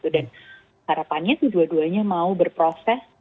dan harapannya dua duanya mau berproses